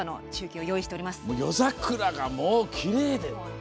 夜桜が、もうきれいで。